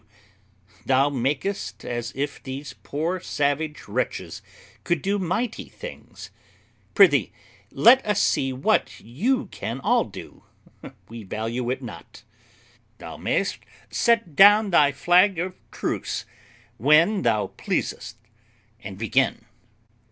W. Thou makest as if these poor savage wretches could do mighty things: prithee, let us see what you can all do, we value it not; thou mayest set down thy flag of truce when thou pleasest, and begin.